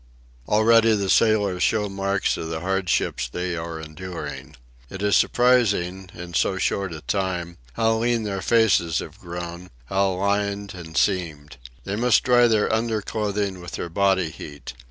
Already the sailors show marks of the hardship they are enduring. It is surprising, in so short a time, how lean their faces have grown, how lined and seamed. They must dry their underclothing with their body heat.